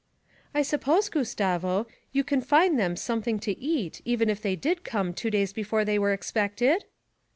'I suppose, Gustavo, you can find them something to eat even if they did come two days before they were expected?'